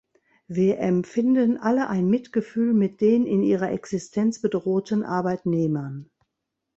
Wir empfinden alle ein Mitgefühl mit den in ihrer Existenz bedrohten Arbeitnehmern.